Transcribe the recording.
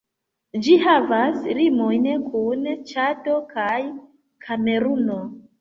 Ĝi havas limojn kun Ĉado kaj Kameruno.